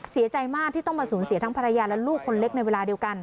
เสียใจมากที่ต้องมาสูญเสียทั้งภรรยาและลูกคนเล็กในเวลาเดียวกัน